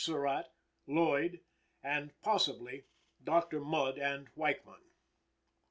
Surratt, Lloyd, and, possibly, Dr. Mudd and Weichman.